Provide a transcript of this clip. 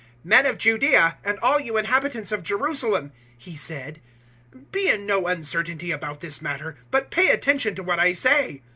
"Men of Judaea, and all you inhabitants of Jerusalem," he said, "be in no uncertainty about this matter but pay attention to what I say.